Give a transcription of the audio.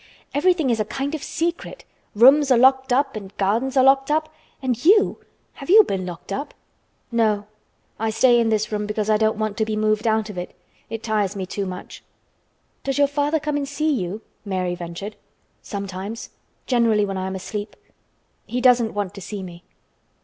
Everything is a kind of secret. Rooms are locked up and gardens are locked up—and you! Have you been locked up?" "No. I stay in this room because I don't want to be moved out of it. It tires me too much." "Does your father come and see you?" Mary ventured. "Sometimes. Generally when I am asleep. He doesn't want to see me."